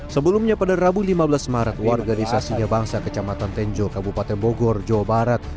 sebelumnya pada rabu lima belas maret warganisasinya bangsa kecamatan tenjo kabupaten bogor jawa barat